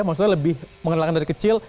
maksudnya lebih mengenalkan dari kecil